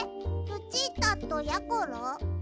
ルチータとやころ？